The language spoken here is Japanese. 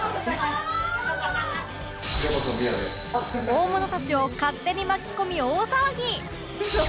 大物たちを勝手に巻き込み大騒ぎウソ